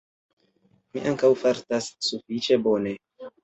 Mi ankaŭ fartas sufiĉe bone